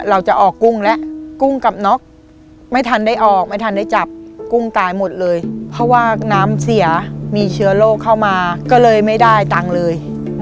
โรงทุนมามันหายไปหมดเลย